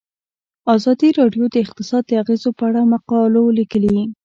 ازادي راډیو د اقتصاد د اغیزو په اړه مقالو لیکلي.